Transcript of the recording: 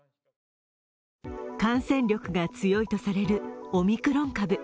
感染力が強いとされるオミクロン株。